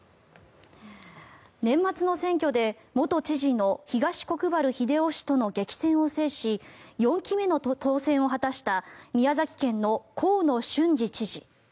年末の選挙で、元知事の東国原英夫氏との激戦を制し４期目の当選を果たした宮崎県の河野俊嗣知事。